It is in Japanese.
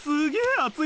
熱い？